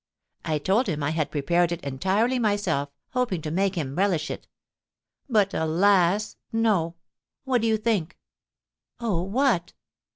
I told him I had prepared it entirely myself, hoping to make him relish it. But alas, no! What do you think?" "Oh, what?"